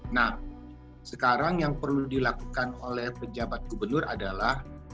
nah sekarang yang perlu dilakukan oleh pejabat gubernur adalah